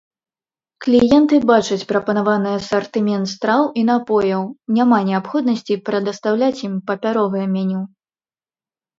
Кліенты бачаць прапанаваны асартымент страў і напояў, няма неабходнасці прадастаўляць ім папяровае меню.